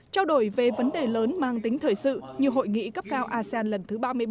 trao đổi về vấn đề lớn mang tính thời sự như hội nghị cấp cao asean lần thứ ba mươi bảy